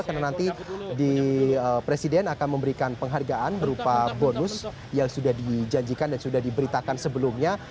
karena nanti presiden akan memberikan penghargaan berupa bonus yang sudah dijanjikan dan sudah diberitakan sebelumnya